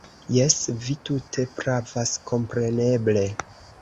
Jes, vi tute pravas, kompreneble!